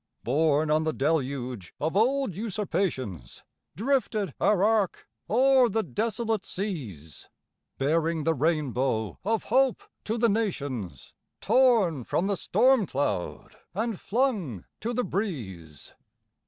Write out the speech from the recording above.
Borne on the deluge of old usurpations, Drifted our Ark o'er the desolate seas, Bearing the rainbow of hope to the nations, Torn from the storm cloud and flung to the breeze!